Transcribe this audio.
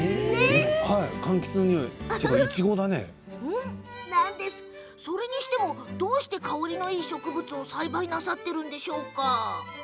かんきつのにおいそれにしてもどうして香りのいい植物を栽培しようと思われたんでしょう。